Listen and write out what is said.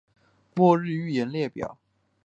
末日预言列表